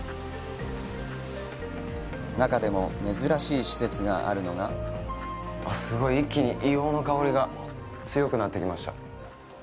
中でも珍しい施設があるのがすごい、一気に硫黄の香りが強くなってきました。